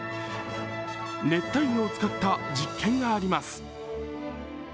熱帯魚を使った実験があります。